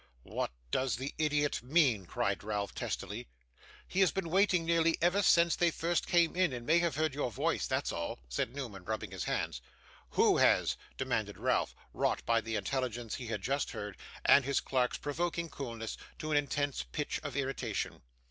'What does the idiot mean?' cried Ralph, testily. 'He has been waiting nearly ever since they first came in, and may have heard your voice that's all,' said Newman, rubbing his hands. 'Who has?' demanded Ralph, wrought by the intelligence he had just heard, and his clerk's provoking coolness, to an intense pitch of irritation.